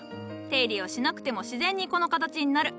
手入れをしなくても自然にこの形になる。